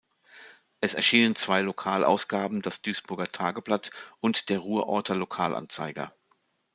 Es erschienen zwei Lokalausgaben, das "Duisburger Tageblatt" und der "Ruhrorter Lokalanzeiger".